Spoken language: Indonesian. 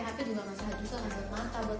handphone juga gak sehat juga harus mata buat